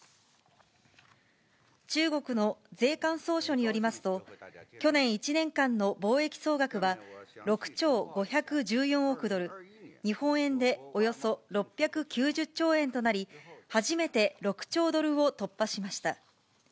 中国の税関総署によりますと、去年１年間の貿易総額は６兆５１４億ドル、日本円でおよそ６９０兆円となり、初めて６兆ドルを突破しました。